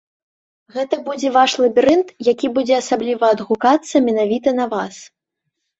Гэта будзе ваш лабірынт, які будзе асабліва адгукацца менавіта на вас.